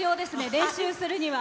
練習するには。